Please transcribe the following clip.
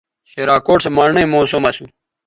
شراکوٹ سو مڑنئ موسم اسُو